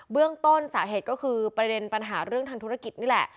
เรื่องต้นสาเหตุก็คือประเด็นปัญหาเรื่องทางธุรกิจนี่แหละ